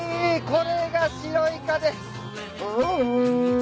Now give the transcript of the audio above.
これが白イカです。